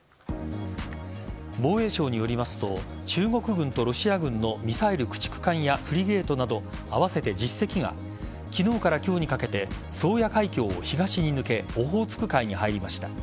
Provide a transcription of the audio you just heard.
防衛省によりますと中国軍とロシア軍のミサイル駆逐艦やフリゲートなど合わせて１０隻が昨日から今日にかけて宗谷海峡を東に抜けオホーツク海に入りました。